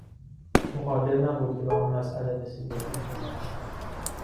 او قادر نبود که به آن مسئله رسیدگی کند.